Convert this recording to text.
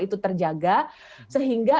itu terjaga sehingga